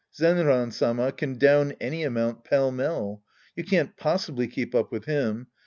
Zenran Sama can down any amount pellmell. You can't possibly keep up with him.